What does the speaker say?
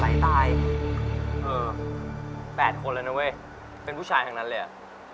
ตายเออแปดคนแล้วนะเว้ยเป็นผู้ชายทั้งนั้นเลยอ่ะ